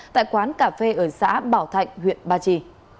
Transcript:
tại quán cà phê ở xã bảo thạnh huyện ba trì